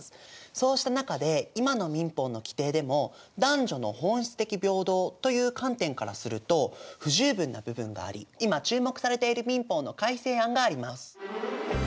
そうした中で今の民法の規定でも男女の本質的平等という観点からすると不十分な部分があり今注目されている民法の改正案があります。